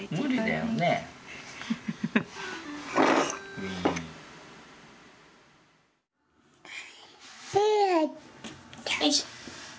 よいしょ。